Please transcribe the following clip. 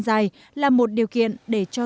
dài là một điều kiện để cho